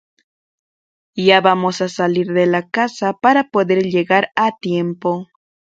Ya vamos a salir de la casa para poder llegar a tiempo